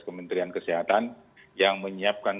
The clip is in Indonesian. kementerian kesehatan yang menyiapkan